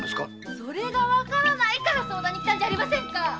それがわからないから相談に来たんじゃありませんか。